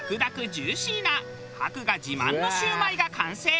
ジューシーな博雅自慢のシュウマイが完成。